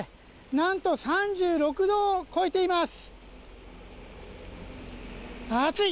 何と３６度を超えています。